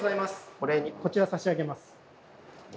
お礼にこちら差し上げます。